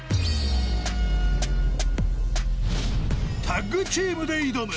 ［タッグチームで挑む］